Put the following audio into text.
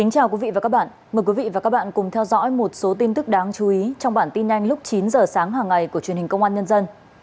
chào mừng quý vị đến với bản tin nhanh lúc chín h sáng hàng ngày của truyền hình công an nhân dân